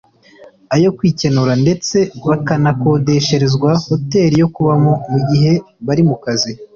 ayo kwikenura ndetse bakanakodesherezwa hoteli yo kubamo mu gihe bari mu kazi